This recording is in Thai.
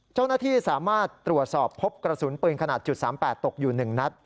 เจ้าหน้าที่สามารถตรวจสอบพบกระสุนปืนขนาด๓๘ตกอยู่๑นัด